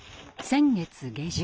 先月下旬。